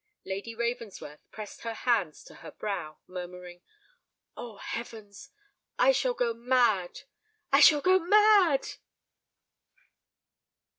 Lady Ravensworth pressed her hands to her brow, murmuring, "O heavens! I shall go mad—I shall go mad!"